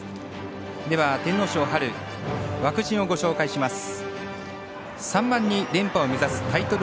では、天皇賞枠順をご紹介します。